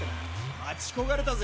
待ち焦がれたぜ。